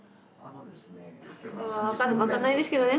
分かんないですけどね